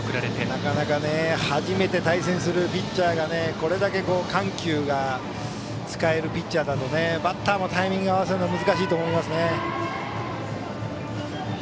なかなか初めて対戦するピッチャーがこれだけ緩急が使えるピッチャーだとバッターもタイミングを合わせるの難しいと思います。